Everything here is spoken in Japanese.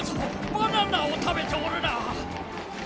バナナをたべておるな！